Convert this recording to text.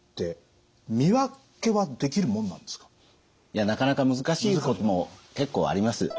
いやなかなか難しいことも結構あります。